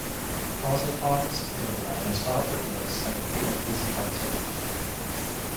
Part of Harman's appeal lay in his dark good looks and appealing physicality.